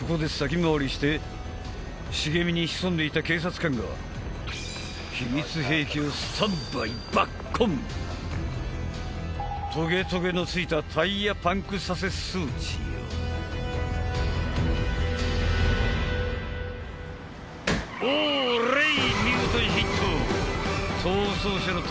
ここで先回りして茂みに潜んでいた警察官が秘密兵器をスタンバイバッコントゲトゲのついたタイヤパンクさせ装置よオーレイ！